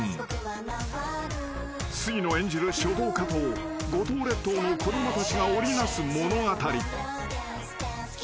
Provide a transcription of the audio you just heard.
［杉野演じる書道家と五島列島の子供たちが織り成す物語］